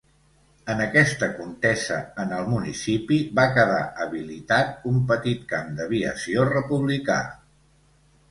En aquesta contesa en el municipi va quedar habilitat un petit camp d'aviació republicà.